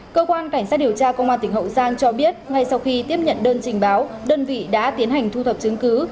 cơ quan cảnh sát điều tra công an tỉnh hậu giang cho biết ngay sau khi tiếp nhận đơn trình báo đơn vị đã tiến hành thu thập chứng cứ